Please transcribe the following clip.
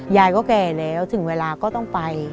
ยายก็แก่แล้วถึงเวลาก็ต้องไป